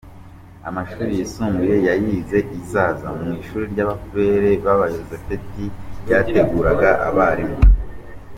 Amashuri yisumbuye yayize i Zaza mu ishuri ry’Abafureri b’Abayozefiti ryateguraga abarimu.